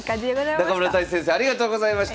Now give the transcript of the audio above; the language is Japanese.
中村太地先生ありがとうございました。